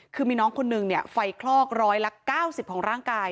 คือมีน้องคนนึงไฟคลอกร้อยละ๙๐ของร่างกาย